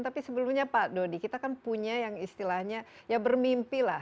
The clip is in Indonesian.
tapi sebelumnya pak dodi kita kan punya yang istilahnya ya bermimpi lah